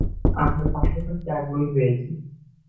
আপনার পাশে থাকতে আগ্রহী হয়েছি।